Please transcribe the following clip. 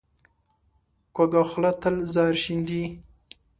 کوږه خوله تل زهر شیندي